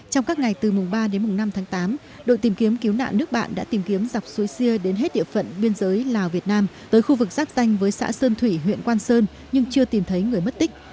trong các ngày từ mùng ba đến mùng năm tháng tám đội tìm kiếm cứu nạn nước bạn đã tìm kiếm dọc suối sia đến hết địa phận biên giới lào việt nam tới khu vực giáp danh với xã sơn thủy huyện quang sơn nhưng chưa tìm thấy người mất tích